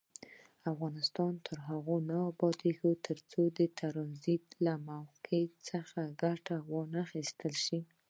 افغانستان تر هغو نه ابادیږي، ترڅو د ټرانزیټ له موقع څخه ګټه وانخیستل شي.